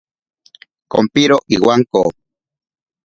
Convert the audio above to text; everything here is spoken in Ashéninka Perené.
Kompiro iwanko.